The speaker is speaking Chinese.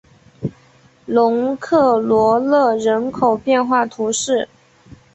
龙克罗勒人口变化图示